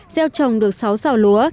gieo trồng được sáu xào lúa